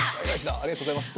ありがとうございます。